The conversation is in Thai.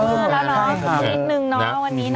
อีกสิ้นนึงวันนี้นะ